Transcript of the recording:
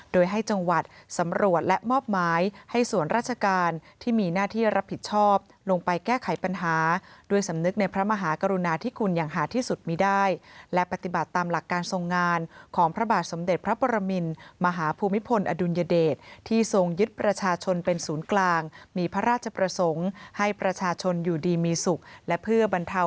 โดยให้จังหวัดสำรวจและมอบหมายให้ส่วนราชการที่มีหน้าที่รับผิดชอบลงไปแก้ไขปัญหาด้วยสำนึกในพระมหากรุณาที่คุณอย่างหาที่สุดมีได้และปฏิบัติตามหลักการทรงงานของพระบาทสมเด็จพระปรมินมหาภูมิพลอดุลยเดชที่ทรงยึดประชาชนเป็นศูนย์กลางมีพระราชประสงค์ให้ประชาชนอยู่ดีมีสุขและเพื่อบรรเทา